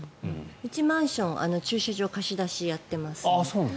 うちのマンション駐車場の貸し出しやってます。